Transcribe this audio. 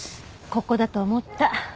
ここだと思った。